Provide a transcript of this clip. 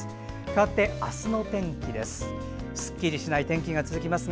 かわって明日の天気です。